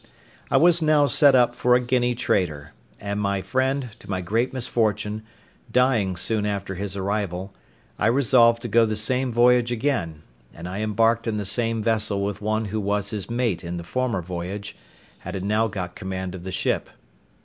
I was now set up for a Guinea trader; and my friend, to my great misfortune, dying soon after his arrival, I resolved to go the same voyage again, and I embarked in the same vessel with one who was his mate in the former voyage, and had now got the command of the ship.